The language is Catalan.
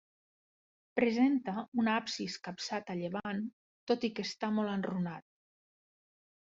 Presenta un absis capçat a llevant, tot i que està molt enrunat.